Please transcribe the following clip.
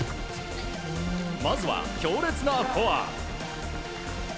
まずは強烈なフォア。